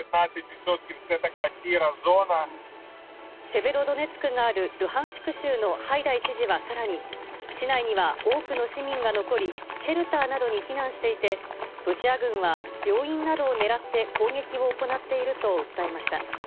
セベロドネツクがある、ルハンシク州のハイダイ知事はさらに、市内には多くの市民が残り、シェルターなどに避難していて、ロシア軍は病院などを狙って攻撃を行っていると訴えました。